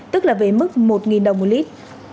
tức là về mức một đồng một lít